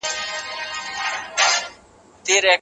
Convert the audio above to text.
ښځي بې ګاڼو نه وي.